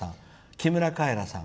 木村カエラさん